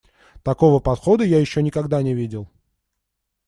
Такого подхода я ещё никогда не видел.